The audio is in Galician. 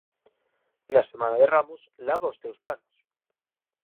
Na semana de Ramos, lava os teus panos